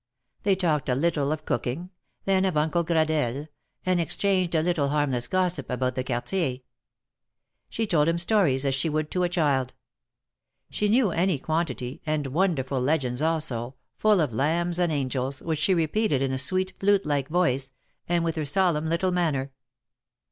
They talked a little of cooking, then of Uncle Gradelle, and exchanged a little harmless gossip about the Quartier. She told him stories as she would to a child. She knew any quantity, and wonderful legends also — full of lambs and angels — which she repeated in a sweet, flute like voice, and with her solemn little manner.